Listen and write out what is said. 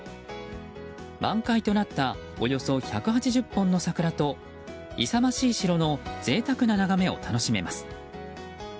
満開となったおよそ１８０本の桜と勇ましい城の贅沢な眺めを楽しめます。